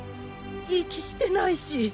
息してないし。